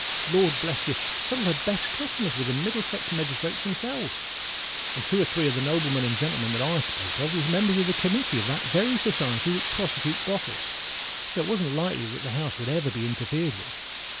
Lord bless you! some of her best customers was the Middlesex magistrates themselves; and two or three of the noblemen and gentlemen that I spoke of, was members of the Committee of that very Society which prosecutes brothels. So it wasn't likely that the house would ever be interfered with.